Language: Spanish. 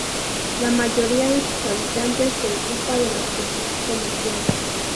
La mayoría de sus habitantes se ocupa de la actividad comercial.